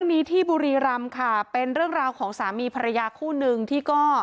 นี้ที่บุรีรำค่ะเป็นเรื่องราวของสามีภรรยาคู่นึงที่ก็